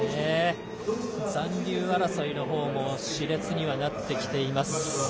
残留争いもしれつにはなってきています。